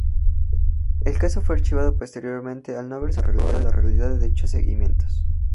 El caso fue archivado posteriormente al no haberse probado la realidad de dichos seguimientos.